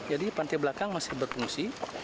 jadi pantai belakang masih berfungsi